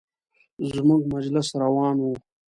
زموږ مجلس روان و.